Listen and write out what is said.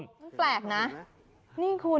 มันแปลกนะนี่คุณ